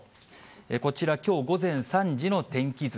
こちら、きょう午前３時の天気図。